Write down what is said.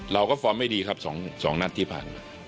เราก็ฟอร์มไม่ดีครับสองนัดที่ผ่านมา